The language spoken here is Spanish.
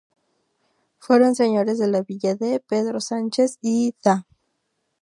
Fueron señores de la villa D. Pedro Sánchez y Dª.